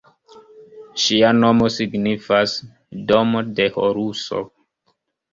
Ŝia nomo signifas "Domo de Horuso".